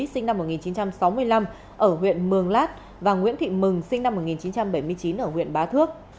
sinh năm một nghìn chín trăm sáu mươi năm ở huyện mường lát và nguyễn thị mừng sinh năm một nghìn chín trăm bảy mươi chín ở huyện bá thước